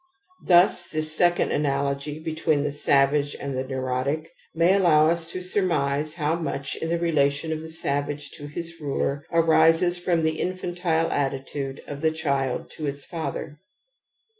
Thus this second analogy between the savage and the neurotic may allow us to simnise how much in the rela tion of the savage to his ruler arises from the infantile attitude of the child to its father.